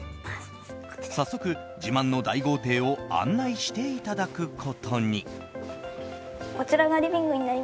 早速、自慢の大豪邸を案内していただくことに。